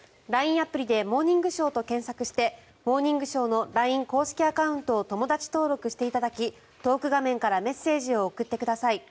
アプリで「モーニングショー」と検索をして「モーニングショー」のＬＩＮＥ公式アカウントを友だち登録していただきトーク画面からメッセージを送ってください。